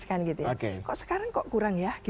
kok sekarang kok kurang ya